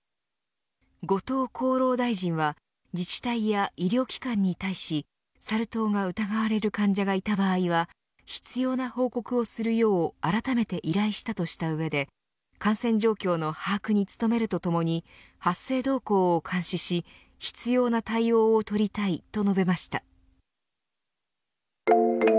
後藤厚労大臣は自治体や医療機関に対しサル痘が疑われる患者がいた場合は必要な報告をするようあらためて依頼したとした上で感染状況の把握に努めるとともに発生動向を監視し必要な対応を取りたいと述べました。